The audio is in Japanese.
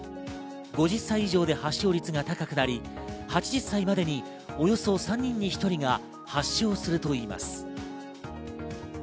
５０歳以上で発症率が高くなり、８０歳までにおよそ３人に１人が発症するといいます。